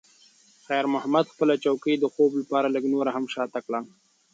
خیر محمد خپله چوکۍ د خوب لپاره لږ نوره هم شاته کړه.